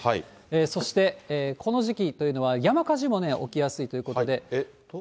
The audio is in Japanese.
そして、この時期というのは、山火事も起きやすいということで。